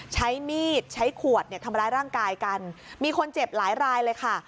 ใช้มีดใช้ขวดเนี่ยทำร้ายร่างกายกันมีคนเจ็บหลายรายเลยค่ะ